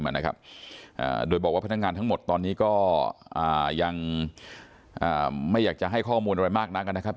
มานะครับโดยบอกว่าพนักงานทั้งหมดตอนนี้ก็ยังไม่อยากจะให้ข้อมูลอะไรมากนักนะครับ